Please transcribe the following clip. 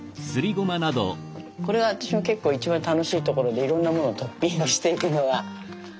これが私の結構一番楽しいところでいろんなものをトッピングしていくのが。